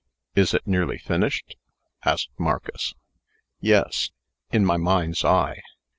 "Is it nearly finished?" asked Marcus. "Yes in my mind's eye.